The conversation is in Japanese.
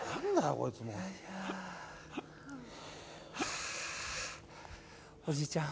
こいつもうはおじいちゃん